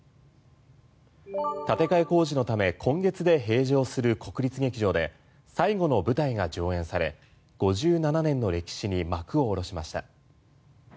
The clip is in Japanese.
建て替え工事のため今月で閉場する国立劇場で最後の舞台が上演され５７年の歴史に幕を下ろしました。